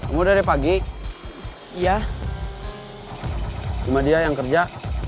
neng itu ga ada